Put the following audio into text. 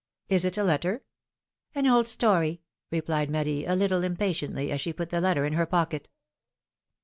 Is it a letter ?" '^An old story," replied Marie, a little impatiently, as she put the letter in her pocket.